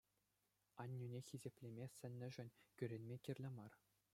Аннӳне хисеплеме сӗннӗшӗн кӳренме кирлӗ мар.